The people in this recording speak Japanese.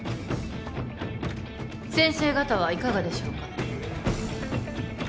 先生方はいかがでしょうか？